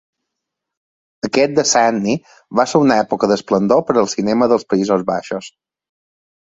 Aquest decenni va ser una època d'esplendor per al cinema dels Països Baixos.